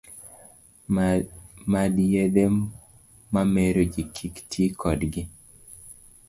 Mad yedhe mamero ji kik ti kodgi